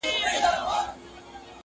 یوه توره تاریکه ورښکارېدله،